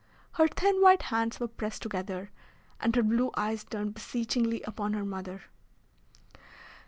Her thin white hands were pressed together, and her blue eyes turned beseechingly upon her mother.